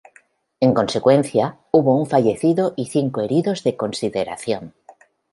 En consecuencia, hubo un fallecido y cinco heridos de consideración.